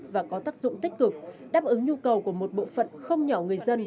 và có tác dụng tích cực đáp ứng nhu cầu của một bộ phận không nhỏ người dân